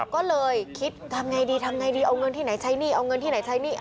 ก็เลยคิดทำไงดีทำไงดีเอาเงินที่ไหนใช้หนี้เอาเงินที่ไหนใช้หนี้